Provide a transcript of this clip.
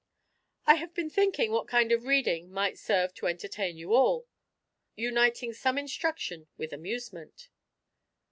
" I have been thinking what kind of reading might serve to entertain you all, uniting some instruction with amusement."